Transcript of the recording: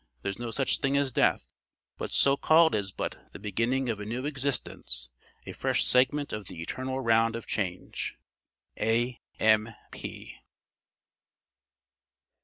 There's no Such thing as Death; what's so called is but The beginning of a new existence, a fresh Segment of the eternal round of change." A.M.P.